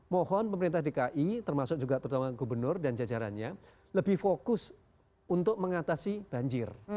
mohon pemerintah dki termasuk juga terutama gubernur dan jajarannya lebih fokus untuk mengatasi banjir